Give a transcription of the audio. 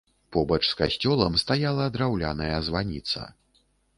Побач з касцёлам стаяла драўляная званіца.